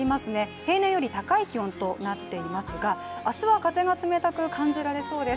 平年より高い気温となっていますが明日は風が冷たく感じられそうです。